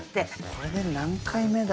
これで何回目だよ。